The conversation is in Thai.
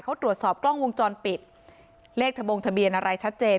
เขาตรวจสอบกล้องวงจรปิดเลขทะบงทะเบียนอะไรชัดเจน